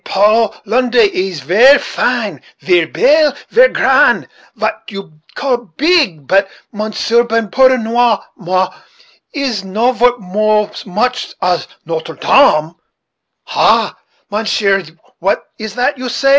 Paul, Londre, is ver fine; ver belle; ver grand vat you call beeg; but, Monsieur Ben, pardonnez moi, it is no vort so much as Notre Dame." "Ha! mounsheer, what is that you say?"